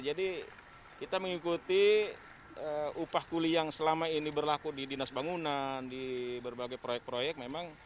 jadi kita mengikuti upah kuliah yang selama ini berlaku di dinas bangunan di berbagai proyek proyek memang